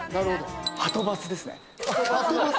はとバスですね。